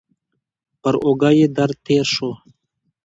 پر اوږه یې درد تېر شو.